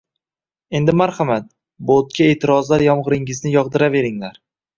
Endi marhamat, botga e’tirozlar yomg‘iringizni yog‘diraveringlar!